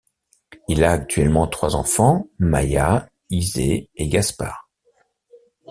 Il a actuellement trois enfants, Maïa, Ysé et Gaspard.